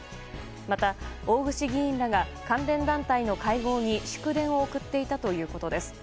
また、大串議員らが関連団体の会合に祝電を送っていたということです。